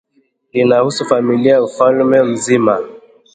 linahusu familia na ufalme mzima